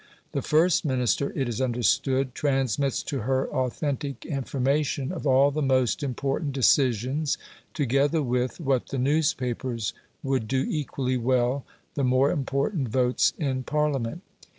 The first Minister, it is understood, transmits to her authentic information of all the most important decisions, together with, what the newspapers would do equally well, the more important votes in Parliament.